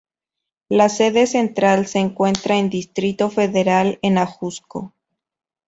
La sede central se encuentra en Distrito Federal en Ajusco.